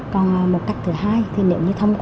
còn một cách thứ hai